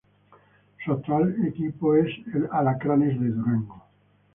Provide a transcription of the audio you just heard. Su actual es equipo es Alacranes de Durango.